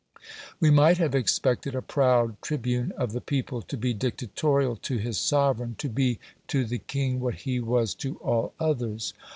We might have expected a proud tribune of the people to be dictatorial to his sovereign to be to the king what he was to all others.